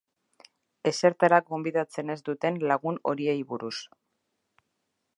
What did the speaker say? Ezertara gonbidatzen ez duten lagun horiei buruz.